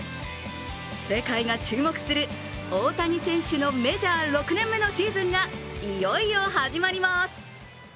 世界が注目する大谷選手のメジャー６年目のシーズンがいよいよ始まります。